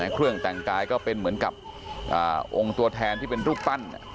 เครื่องแต่งกายก็เป็นเหมือนกับองค์ตัวแทนที่เป็นรูปปั้น